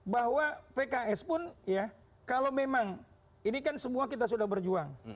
bahwa pks pun ya kalau memang ini kan semua kita sudah berjuang